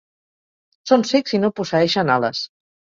Són cecs i no posseeixen ales.